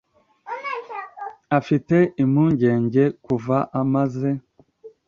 Afite impungenge kuva amaze